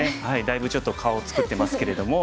だいぶちょっと顔作ってますけれども。